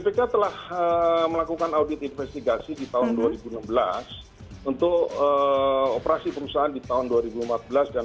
bpk telah melakukan audit investigasi di tahun dua ribu enam belas untuk operasi perusahaan di tahun dua ribu empat belas dan dua ribu dua puluh